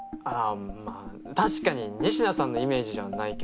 まぁ確かに仁科さんのイメージじゃないけど。